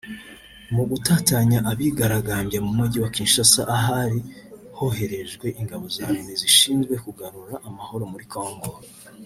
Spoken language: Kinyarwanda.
Mu gutatanya abigaragambyaga mu Mujyi wa Kinshasa ahari hoherejwe ingabo za Loni zishinzwe kugarura amahoro muri Congo